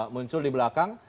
muncul di belakang